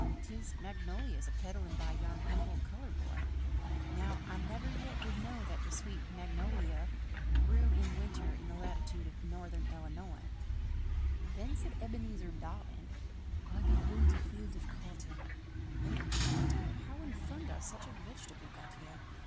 'Tis magnolias a peddled by yon humble coloured boy: Now, I never yet did know That the sweet mag no li o Grew in winter in the latitude of Northern Ellanoy." Then said Ebenezer Dotton, "I behold a field of cotton, And I wonder how in thunder such a veg'table got here.